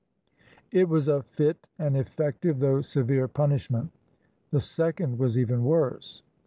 It was a fit and effective though severe punish ment. The second was even worse.